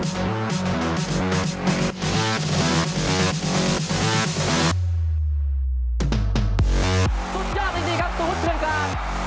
สุดยอดจริงครับสวมพุทธเชื่อญการ